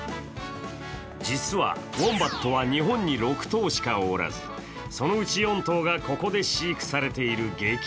実はウォンバットは日本に６頭しかおらず、そのうち４頭がここで飼育されている激